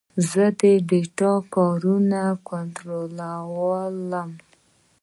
زه د ډیټا کارونه کنټرولوم.